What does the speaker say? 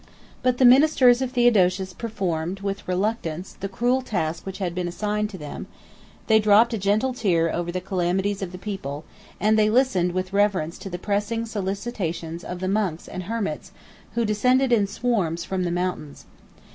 But the ministers of Theodosius performed, with reluctance, the cruel task which had been assigned them; they dropped a gentle tear over the calamities of the people; and they listened with reverence to the pressing solicitations of the monks and hermits, who descended in swarms from the mountains.